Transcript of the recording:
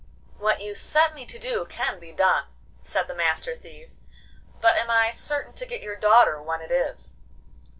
'What you set me to do can be done,' said the Master Thief, 'but am I certain to get your daughter when it is?